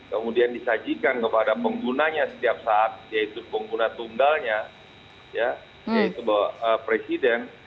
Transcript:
kemudian disajikan kepada penggunanya setiap saat yaitu pengguna tunggalnya yaitu presiden